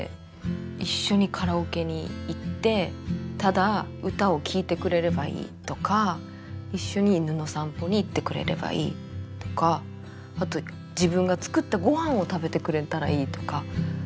一緒にカラオケに行ってただ歌を聴いてくれればいいとか一緒に犬の散歩に行ってくれればいいとかあと自分が作った御飯を食べてくれたらいいとか。